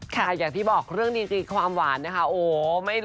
ค่ะอยากที่บอกเรื่องนี้จริงความหวานนะคะ